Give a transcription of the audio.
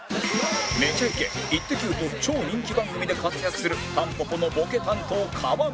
『めちゃイケ』『イッテ Ｑ』と超人気番組で活躍するたんぽぽのボケ担当川村